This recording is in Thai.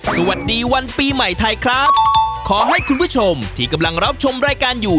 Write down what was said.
สวัสดีวันปีใหม่ไทยครับขอให้คุณผู้ชมที่กำลังรับชมรายการอยู่